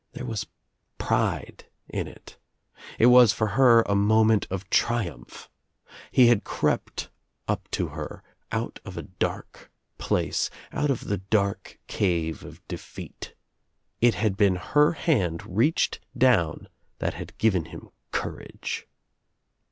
There was pride in it. It was for her a moment of triumph. He had crept up Co her out of OUT OF NOWHERE INTO NOTHING 25 1 a dark place, out of the dark cave of defeat. It had I been her hand reached down that had g^ven him cour* J age.